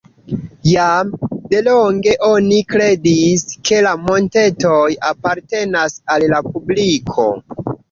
Jam delonge oni kredis, ke la montetoj apartenas al la publiko.